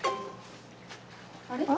あれ？